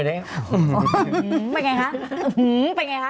อืมไปไงคะอืมไปไงคะ